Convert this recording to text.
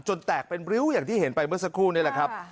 แตกเป็นริ้วอย่างที่เห็นไปเมื่อสักครู่นี่แหละครับ